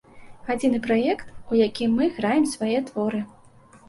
Адзіны праект, у якім мы граем свае творы.